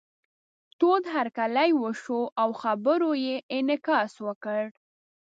تود هرکلی یې وشو او خبرو یې انعکاس وکړ.